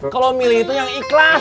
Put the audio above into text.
kalau milih itu yang ikhlas